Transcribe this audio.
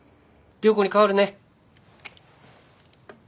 良子に代わるね。